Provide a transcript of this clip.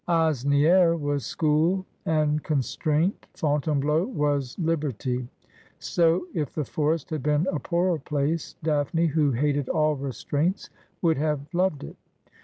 Asnieres was school and constraint, Fontainebleau was li berty ; so if the forest had been a poorer place, Daphne, who hated all restraints, would have loved it.